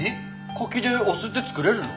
柿でお酢って作れるの？